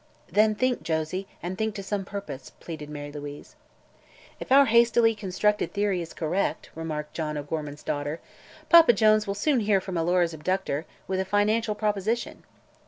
"Then think, Josie, and think to some purpose," pleaded Mary Louise. "If our hastily constructed theory is correct," remarked John O'Gorman's daughter, "Papa Jones will soon hear from Alora's abductor, with a financial proposition."